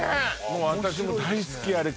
もう私も大好きあれ